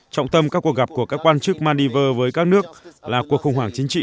trọng tâm các cuộc gặp của các quan chức maldives với các nước là cuộc khủng hoảng chính trị